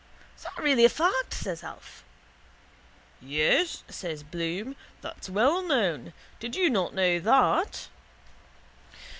—Is that really a fact? says Alf. —Yes, says Bloom. That's well known. Did you not know that?